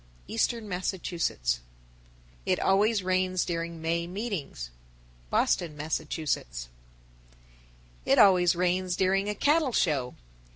Eastern Massachusetts. 959. It always rains during May meetin's. Boston, Mass. 960. It always rains during a cattle show.